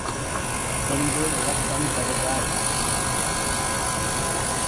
என்று விளக்கம் தருவார்.